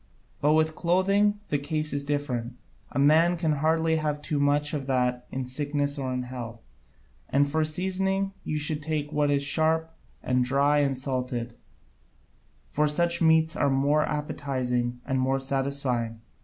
But with clothing the case is different: a man can hardly have too much of that in sickness or in health. And for seasoning you should take what is sharp and dry and salted, for such meats are more appetising and more satisfying.